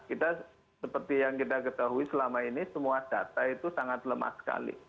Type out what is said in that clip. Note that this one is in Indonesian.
kita seperti yang kita ketahui selama ini semua data itu sangat lemah sekali